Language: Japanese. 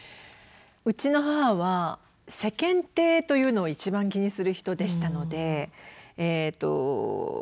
うちの母は世間体というのを一番気にする人でしたのでえっと